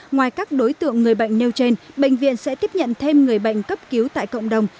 ngoài các đối tượng người bệnh nêu trên bệnh viện sẽ tiếp nhận thêm người bệnh cấp cứu tại cộng đồng